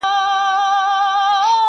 زر یې پټ تر وني لاندي کړل روان سول -